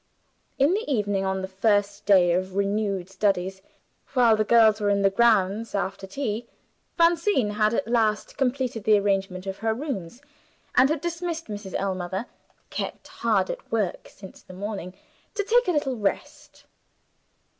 In the evening, on that first day of renewed studies while the girls were in the grounds, after tea Francine had at last completed the arrangement of her rooms, and had dismissed Mrs. Ellmother (kept hard at work since the morning) to take a little rest.